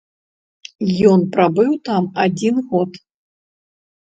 Ён прабыў там адзін год.